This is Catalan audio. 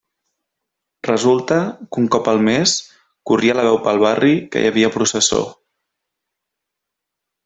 Resulta que un cop al mes corria la veu pel barri que hi havia processó.